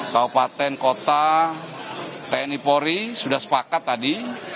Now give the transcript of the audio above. kawupaten kota tni pori sudah sepakat tadi